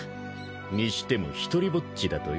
にしても「独りぼっち」だとよ。